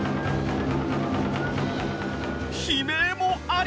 悲鳴もあり。